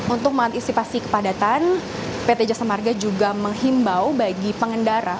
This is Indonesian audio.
untuk mengantisipasi kepadatan pt jasa marga juga menghimbau bagi pengendara